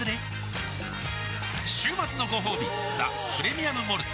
週末のごほうび「ザ・プレミアム・モルツ」